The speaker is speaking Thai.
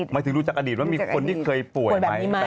แม้ถึงรู้จากอดีตมีคนที่เคยป่วยไหม